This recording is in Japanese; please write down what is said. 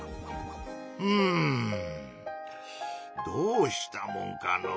うんどうしたもんかのう。